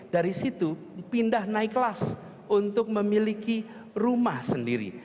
dari situ pindah naik kelas untuk memiliki rumah sendiri